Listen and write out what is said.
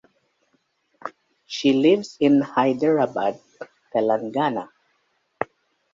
She lives in Hyderabad, Telangana.